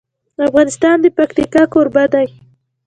افغانستان د پکتیکا کوربه دی.